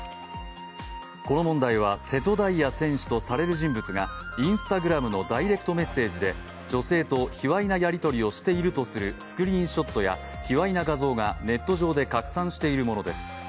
この問題は瀬戸大也選手とされる人物がＩｎｓｔａｇｒａｍのダイレクトメッセージで女性と卑わいなやり取りをしているとするスクリーンショットや卑わいな画像がネット上で拡散しているものです。